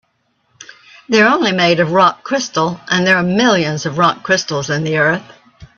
They're only made of rock crystal, and there are millions of rock crystals in the earth.